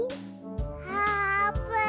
あーぷん。